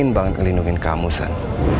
nah itu kan